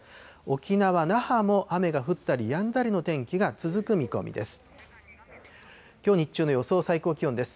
沖縄・那覇も雨が降ったりやんだりの天気が続く見込みです。